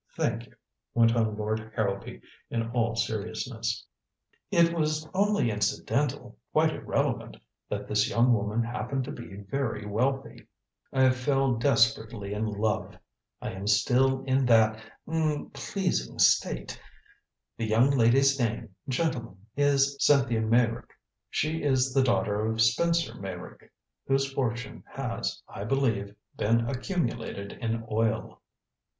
"Thank you," went on Lord Harrowby in all seriousness. "It was only incidental quite irrelevant that this young woman happened to be very wealthy. I fell desperately in love! I am still in that er pleasing state. The young lady's name, gentlemen, is Cynthia Meyrick. She is the daughter of Spencer Meyrick, whose fortune has, I believe, been accumulated in oil."